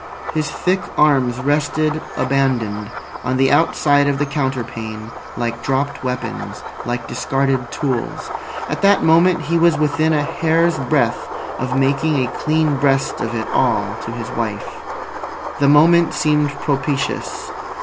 His thick arms rested abandoned on the outside of the counterpane like dropped weapons, like discarded tools. At that moment he was within a hair's breadth of making a clean breast of it all to his wife. The moment seemed propitious.